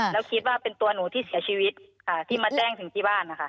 แล้วคิดว่าเป็นตัวหนูที่เสียชีวิตค่ะที่มาแจ้งถึงที่บ้านนะคะ